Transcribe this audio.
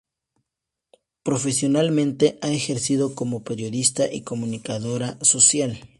Profesionalmente ha ejercido como periodista y comunicadora social.